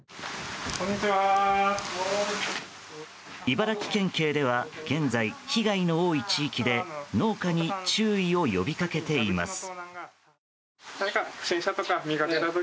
茨城県警では現在被害の多い地域で農家に注意を呼びかけています。